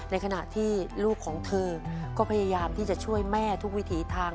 ในขณะที่ลูกของเธอก็พยายามที่จะช่วยแม่ทุกวิถีทาง